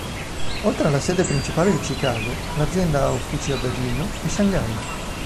Oltre alla sede principale di Chicago, l'azienda ha uffici a Berlino e Shanghai.